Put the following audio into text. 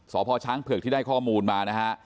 สพช้างเผือกที่ได้ข้อมูลมานะฮะ